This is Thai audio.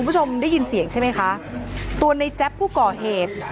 คุณผู้ชมได้ยินเสียงใช่ไหมคะตัวในแจ๊บผู้ก่อเหตุ